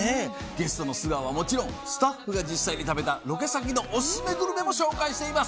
ゲストの素顔はもちろんスタッフが実際に食べたロケ先のオススメグルメも紹介しています。